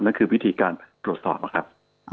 นั่นคือวิธีการตรวจสอบนะครับ